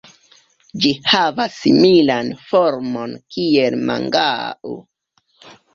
Ĝi havas similan formon kiel mangao.